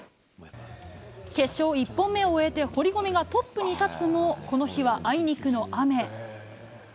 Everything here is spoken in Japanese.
決勝１本目を終えて堀米がトップに立つも、この日はあいにくの雨。